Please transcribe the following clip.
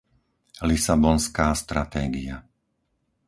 Lisabonská stratégia.